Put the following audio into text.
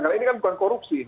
karena ini bukan korupsi